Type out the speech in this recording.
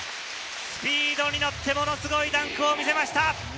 スピードに乗って、ものすごいダンクを見せました。